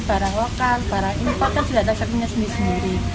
barang lokal barang impor kan sudah ada setnya sendiri sendiri